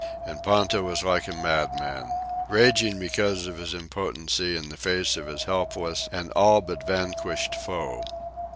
And Ponta was like a madman, raging because of his impotency in the face of his helpless and all but vanquished foe.